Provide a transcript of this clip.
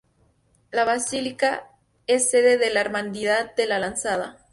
La basílica es sede de la Hermandad de la Lanzada.